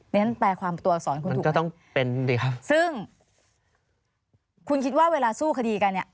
ดิฉันแปลความตัวอักษรคุณถูกไหมซึ่งคุณคิดว่าเวลาสู้คดีกัน